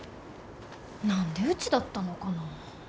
何でうちだったのかな。